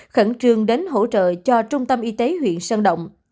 khẩn trương đến hỗ trợ cho trung tâm y tế huyện sơn động